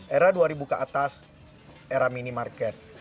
era dua ribu ke atas era minimarket